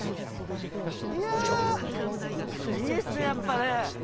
いやいいっすねやっぱね。